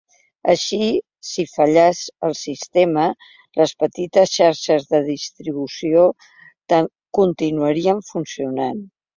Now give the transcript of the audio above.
Així, si fallàs el sistema, les petites xarxes de distribució continuarien funcionant.